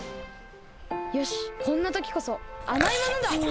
よしこんなときこそあまいものだ！